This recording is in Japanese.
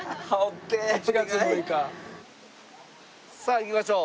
さあ行きましょう。